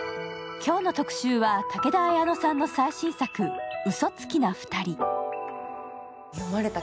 今日の特集は武田綾乃さんの最新作「嘘つきなふたり」。